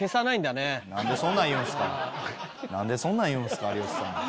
なんでそんなん言うんですか。